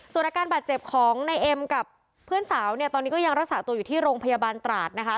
ส่วนอาการบาดเจ็บของนายเอ็มกับเพื่อนสาวเนี่ยตอนนี้ก็ยังรักษาตัวอยู่ที่โรงพยาบาลตราดนะคะ